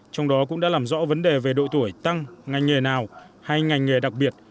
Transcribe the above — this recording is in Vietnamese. trong đó cũng đã làm rõ vấn đề về độ tuổi tăng ngành nghề nào hay ngành nghề đặc biệt